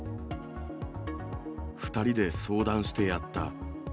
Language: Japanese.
２人で相談してやった。